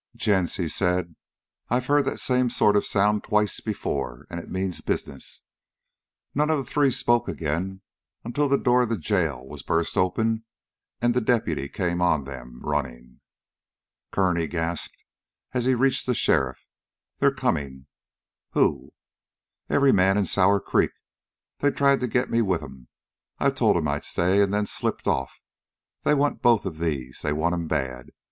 "Gents," he said, "I've heard that same sort of a sound twice before, and it means business." None of the three spoke again until the door of the jail was burst open, and the deputy came on them, running. "Kern," he gasped, as he reached the sheriff, "they're coming." "Who?" "Every man in Sour Creek. They tried to get me with 'em. I told 'em I'd stay and then slipped off. They want both of these. They want 'em bad.